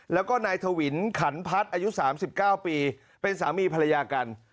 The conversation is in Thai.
แล้วก็นายถวินขันพัฒน์อายุ๓๙ปีเป็นสามีภรรยากัน